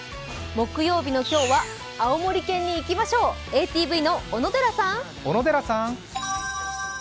木曜日の今日は青森県にいきましょう、ＡＴＶの小野寺さん！